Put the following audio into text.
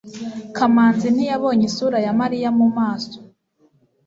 kamanzi ntiyabonye isura ya mariya mu maso